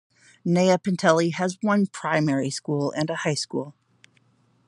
Nea Penteli has one primary school and a high school.